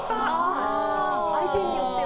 相手によっては。